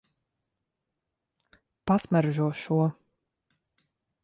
Pasmaržo šo.